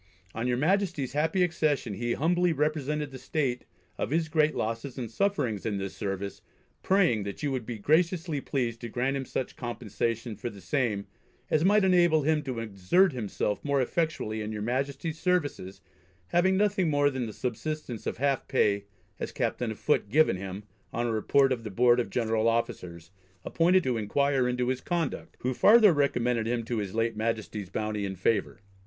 On your Majesty's happy accession he humbly represented the state of his great losses and sufferings in this service, praying, that you would be graciously pleased to grant him such compensation for the same as might enable him to exert himself more effectually in your Majesty's services having nothing more than the subsistence of half pay as Captain of Foot, given him, on a report of the Board of General Officers appointed to inquire into his conduct; who farther recommended him to his late Majesty's bounty and favour.